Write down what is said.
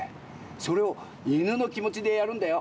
それをいぬのきもちでやるんだよ。